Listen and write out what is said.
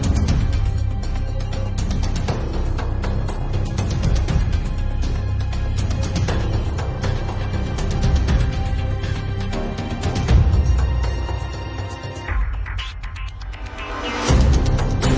ตอนนี้ก็ไม่มีอัศวินทรีย์